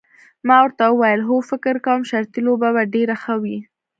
ما ورته وویل هو فکر کوم شرطي لوبه به ډېره ښه وي.